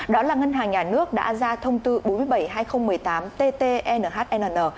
đó là ngân hàng nhà nước đã ra thông tư bốn mươi bảy hai nghìn một mươi tám tt nhnn